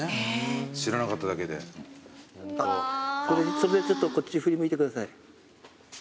それでちょっとこっち振り向いてください。